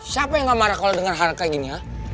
siapa yang gak marah kalo denger hal kayak gini